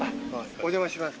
お邪魔します。